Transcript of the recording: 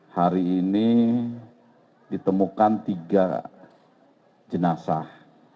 hari ini ditemukan tiga jenazah